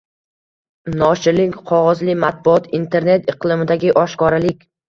noshirlik, qog‘ozli matbuot, internet iqlimidagi oshkoralik